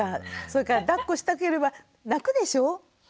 それからだっこしたければ泣くでしょ？